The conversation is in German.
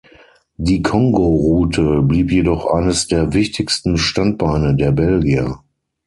Die Kongo-Route blieb jedoch eines der wichtigsten Standbeine der Belgier.